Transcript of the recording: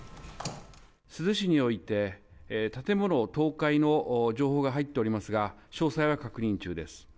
珠洲市において、建物倒壊の情報が入っておりますが、詳細は確認中です。